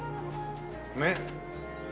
ねっ！